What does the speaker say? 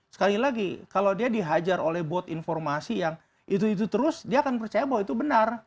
sekali lagi kalau dia dihajar oleh bot informasi yang itu itu terus dia akan percaya bahwa itu benar